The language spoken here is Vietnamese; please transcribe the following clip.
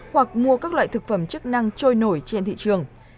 hoặc mua các loại thực phẩm chức năng trôi nổi trên thị trường